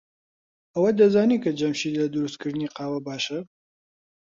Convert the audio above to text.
ئەوەت دەزانی کە جەمشید لە دروستکردنی قاوە باشە؟